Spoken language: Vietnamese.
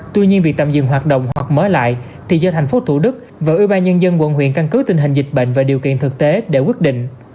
tuy nhiên việc tạm dừng hoạt động hoặc mở lại thì do tp thủ đức và ubnd quận huyện căn cứ tình hình dịch bệnh và điều kiện thực tế để quyết định